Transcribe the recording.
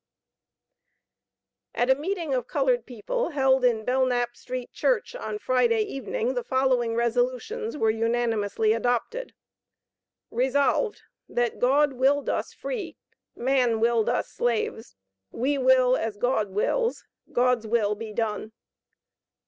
K. At a meeting of colored people, held in Belknap Street Church, on Friday evening, the following resolutions were unanimously adopted: Resolved, That God willed us free; man willed us slaves. We will as God wills; God's will be done.